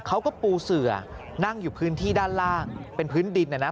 เขาก็ปูเสือนั่งอยู่พื้นที่ด้านล่างเป็นพื้นดินนะนะ